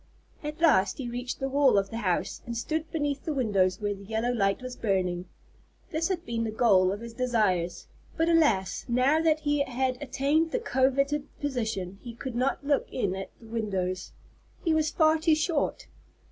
At last he reached the wall of the house, and stood beneath the windows where the yellow light was burning. This had been the goal of his desires; but, alas, now that he had attained the coveted position he could not look in at the windows he was far too short.